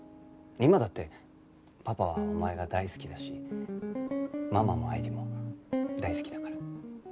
今だってパパはお前が大好きだしママも愛理も大好きだから。